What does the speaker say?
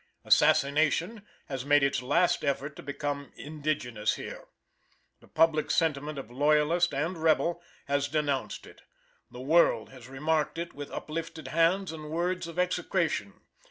Assassination has made its last effort to become indigenous here. The public sentiment of Loyalist and Rebel has denounced it: the world has remarked it with uplifted hands and words of execration.